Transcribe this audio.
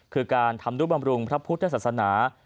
คือการทำนุบำรุงพระพุทธศาสนา